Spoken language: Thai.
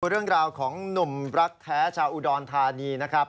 เรื่องราวของหนุ่มรักแท้ชาวอุดรธานีนะครับ